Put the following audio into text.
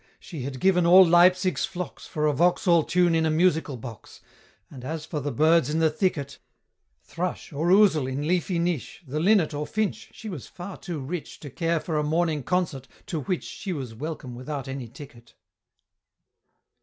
she had given all Leipzig's flocks For a Vauxhall tune in a musical box; And as for the birds in the thicket, Thrush or ousel in leafy niche, The linnet or finch, she was far too rich To care for a Morning Concert, to which She was welcome without any ticket.